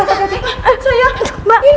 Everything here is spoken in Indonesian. ya udah sayang